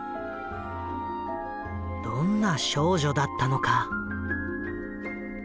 どんな少女だったのか。